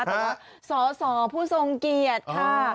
แต่ว่าสอสอผู้ทรงเกียรติค่ะ